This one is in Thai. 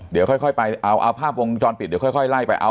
เดี๋ยวค่อยไปเอาภาพวงจรปิดเดี๋ยวค่อยไล่ไปเอา